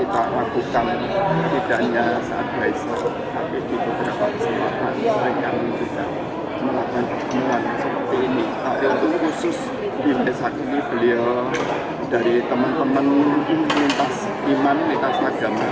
tapi untuk khusus di mdesak ini beliau dari teman teman umum lintas iman lintas agama